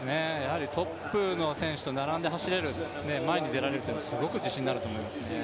トップの選手と並んで走れる、前に出られるというのはすごく自信になると思いますね。